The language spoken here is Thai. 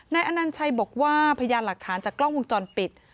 อนัญชัยบอกว่าพยานหลักฐานจากกล้องวงจรปิด